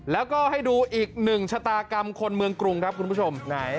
แล้วก็ให้ดูอีกหนึ่งชะตากรรมคนเมืองกรุงครับคุณผู้ชมไหน